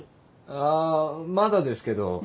ああまだですけど。